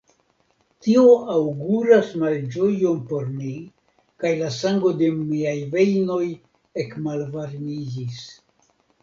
Tio aŭguras malĝojon por mi kaj la sango de miaj vejnoj ekmalvarmiĝis.